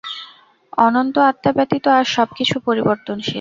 অনন্ত আত্মা ব্যতীত আর সব কিছু পরিবর্তনশীল।